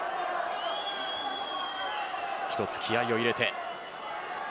一つ気合を入れて。